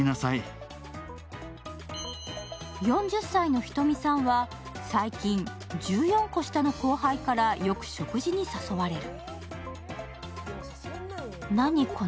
４０歳のヒトミさんは最近、１４個下の後輩からよく食事に誘われる。